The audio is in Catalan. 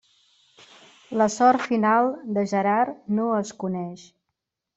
La sort final de Gerard no es coneix.